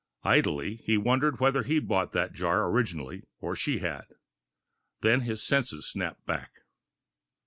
Idly, he wondered whether he'd bought the jar originally or she had. Then his senses snapped back.